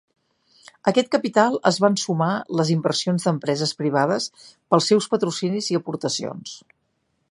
A aquest capital es van sumar les inversions d'empreses privades pels seus patrocinis i aportacions.